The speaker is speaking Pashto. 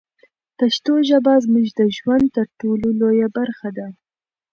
پښتو ژبه زموږ د ژوند تر ټولو لویه برخه ده.